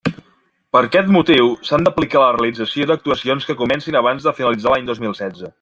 Per aquest motiu, s'han d'aplicar a la realització d'actuacions que comencin abans de finalitzar l'any dos mil setze.